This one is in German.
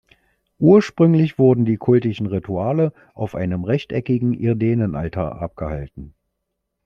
Ursprünglich wurden die kultischen Rituale auf einem rechteckigen irdenen Altar abgehalten.